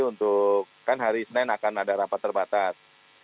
untuk kan hari senin akan ada rapat terbatas